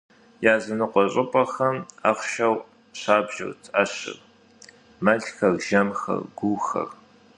Языныкъуэ щӏыпӏэхэм ахъшэу щабжырт ӏэщыр: мэлхэр, жэмхэр, гуухэр.